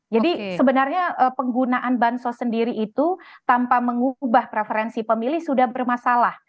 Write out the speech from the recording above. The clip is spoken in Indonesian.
jadi sebenarnya penggunaan bansos sendiri itu tanpa mengubah preferensi pemilih sudah bermasalah